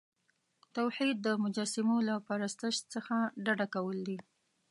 توحید د مجسمو له پرستش څخه ډډه کول دي.